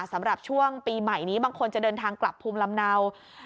สำหรับช่วงปีใหม่นี้บางคนจะเดินทางกลับภูมิลำเนา